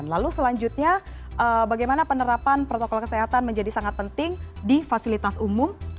lalu selanjutnya bagaimana penerapan protokol kesehatan menjadi sangat penting di fasilitas umum